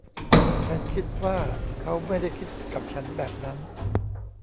ฉันคิดว่าเค้าไม่ได้คิดกับฉันแบบนั้น